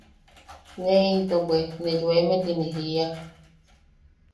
Ne into bwe “ne yoeme” ti ne jiia.